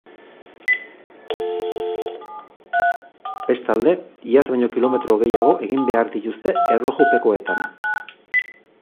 Bestalde, iaz baino kilometro gehiago egin behar dituzte erlojupekoetan.